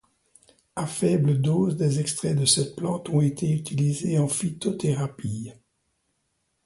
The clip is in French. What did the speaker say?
À faible dose, des extraits de cette plante ont été utilisés en phytothérapie.